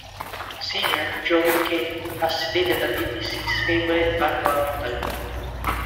Singer, Joey Cape has stated that it is his favorite Lagwagon album.